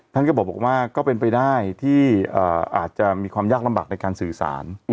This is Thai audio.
ท่านก็บอกว่าก็เป็นไปได้ที่อาจจะมีความยากลำบากในการสื่อสาร